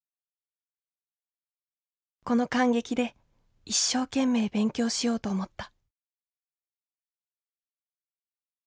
この感激で一生懸命勉強しようと思った」。